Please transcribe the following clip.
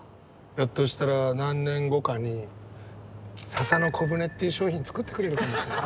ひょっとしたら何年後かに「笹の小船」っていう商品作ってくれるかもしれない。